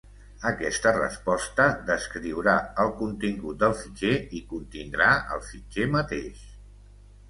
Aquesta resposta descriurà el contingut del fitxer i contindrà el fitxer mateix.